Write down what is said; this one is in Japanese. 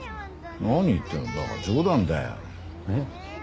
何言ってるんだ馬鹿冗談だよ。えっ？